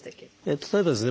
例えばですね